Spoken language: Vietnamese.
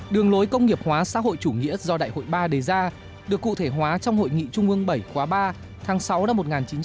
đường lối công nghiệp hóa xã hội chủ nghĩa do đại hội ba đề ra được cụ thể hóa trong hội nghị trung ương bảy khóa ba tháng sáu năm một nghìn chín trăm bảy mươi